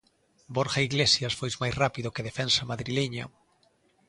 Borja Iglesias foi máis rápido que a defensa madrileña.